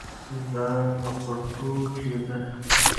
دا پټوکۍ ده